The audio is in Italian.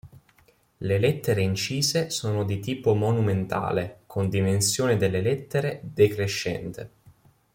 Le lettere incise sono di tipo monumentale con dimensione delle lettere decrescente.